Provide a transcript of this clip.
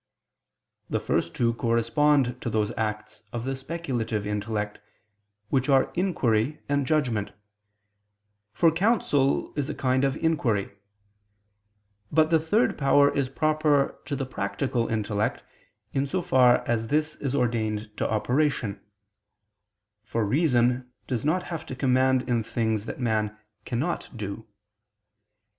The first two correspond to those acts of the speculative intellect, which are inquiry and judgment, for counsel is a kind of inquiry: but the third is proper to the practical intellect, in so far as this is ordained to operation; for reason does not have to command in things that man cannot do.